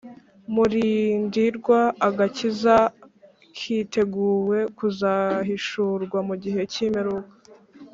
murindirwa agakiza kiteguwe kuzahishurwa mu gihe cy'imperuka